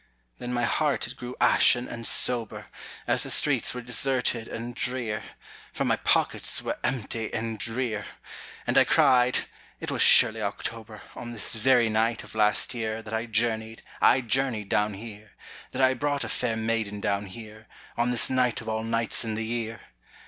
Then my heart it grew ashen and sober, As the streets were deserted and drear, For my pockets were empty and drear; And I cried: "It was surely October, On this very night of last year, That I journeyed, I journeyed down here, That I brought a fair maiden down here, On this night of all nights in the year!